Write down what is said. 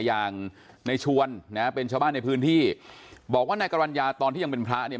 อย่างในชวนนะเป็นชาวบ้านในพื้นที่บอกว่านายกรรณญาตอนที่ยังเป็นพระเนี่ย